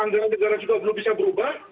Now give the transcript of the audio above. anggaran negara juga belum bisa berubah